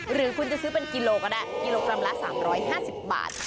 หรือคุณจะซื้อเป็นกิโลก็ได้กิโลกรัมละ๓๕๐บาท